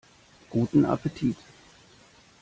Guten Appetit!